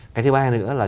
cái thứ ba nữa là